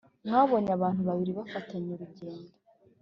Mwabonye abantu babiri bafatanya urugendo